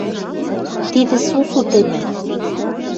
тидӹ сусу тӹньӹн